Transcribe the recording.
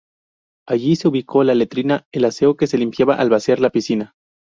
Allí se ubicó la letrina, el aseo que se limpiaba al vaciar la piscina.